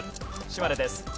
島根です。